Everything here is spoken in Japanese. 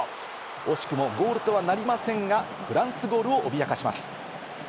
惜しくもゴールとはなりませんが、フランスゴールを脅かします。